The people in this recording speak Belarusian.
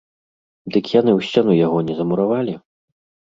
Дык яны ў сцяну яго не замуравалі?!